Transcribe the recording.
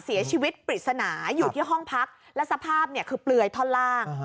เสียชีวิตปริศนาอยู่ที่ห้องพักและสภาพเนี่ยคือเปลือยท่อนล่าง